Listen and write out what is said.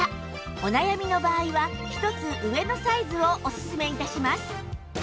お悩みの場合は１つ上のサイズをおすすめ致します